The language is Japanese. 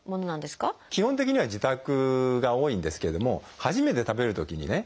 基本的には自宅が多いんですけれども初めて食べるときにね